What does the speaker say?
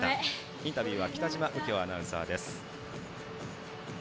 インタビューは北嶋右京アナウンサーです。